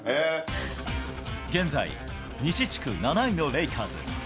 現在、西地区７位のレイカーズ。